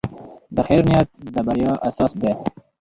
د خیر نیت د بریا اساس دی.